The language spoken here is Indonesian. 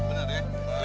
gratis mbak ya